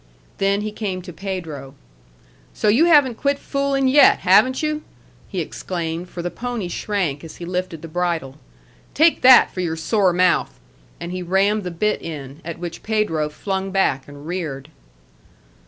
Then he came to Pedro. "So you haven't quit fooling yet, haven't you?" he exclaimed, for the pony shrank as he lifted the bridle. "Take that for your sore mouth!" and he rammed the bit in, at which Pedro flung back and reared.